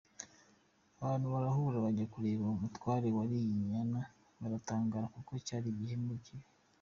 Abantu barahurura bajya kureba umutware wariye inyana baratangara kuko cyari igihemu kibi.